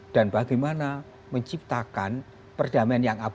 dan bagaimana menciptakan perdamaian yang abadi